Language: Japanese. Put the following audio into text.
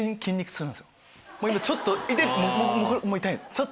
今ちょっと痛っ！